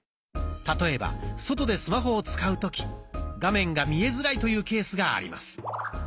例えば外でスマホを使う時画面が見えづらいというケースがあります。